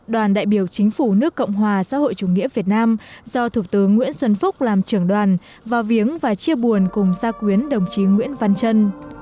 đoàn đại biểu chính phủ nước cộng hòa xã hội chủ nghĩa việt nam do thủ tướng nguyễn xuân phúc làm trưởng đoàn vào viếng và chia buồn cùng gia quyến đồng chí nguyễn văn trân